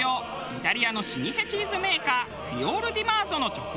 イタリアの老舗チーズメーカーフィオールディマーゾの直営店。